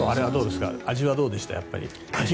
味はどうでした？